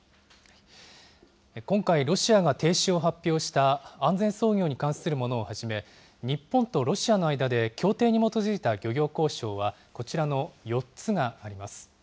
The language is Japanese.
今回、ロシアが停止を発表した安全操業に関するものをはじめ、日本とロシアの間で協定に基づいた漁業交渉は、こちらの４つがあります。